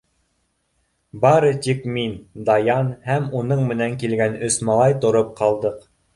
Бары тик мин, Даян һәм уның менән килгән өс малай тороп ҡалдыҡ.